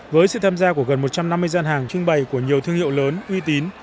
với sự tham gia của gần một trăm năm mươi gian hàng trưng bày của nhiều thương hiệu lớn uy tín